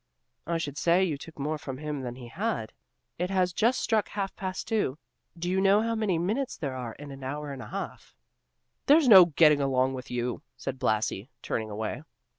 "I should say you took more from him than he had. It has just struck half past two; do you know how many minutes there are in an hour and a half?" "There's no getting along with you," said Blasi, turning away.